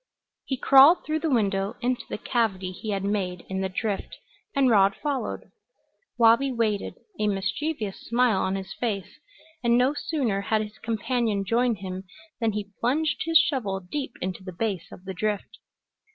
He crawled through the window into the cavity he had made in the drift, and Rod followed. Wabi waited, a mischievous smile on his face, and no sooner had his companion joined him than he plunged his shovel deep into the base of the drift.